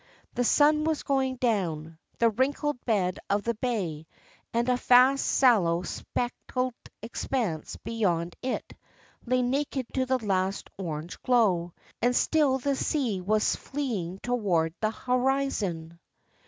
The sun was going down; the wrinkled bed of the bay, and a vast sallow speckled expanse beyond it, lay naked to the last orange glow; and still the sea was fleeing toward the horizon.